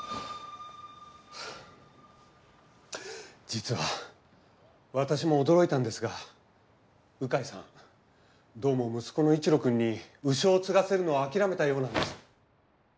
実は私も驚いたんですが鵜飼さんどうも息子の一路君に鵜匠を継がせるのを諦めたようなんです。